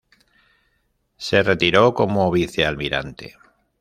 Se retiró como vicealmirante.